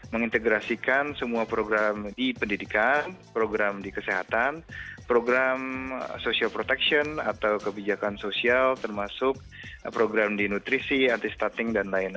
mengintegrasikan semua program di pendidikan program di kesehatan program social protection atau kebijakan sosial termasuk program di nutrisi anti starting dan lain lain